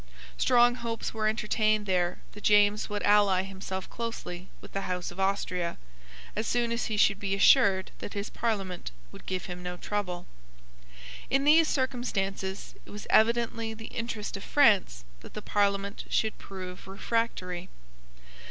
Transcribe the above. Strong hopes were entertained there that James would ally himself closely with the House of Austria, as soon as he should be assured that his Parliament would give him no trouble. In these circumstances, it was evidently the interest of France that the Parliament should prove refractory.